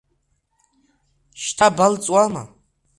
Шьҭа балҵуама?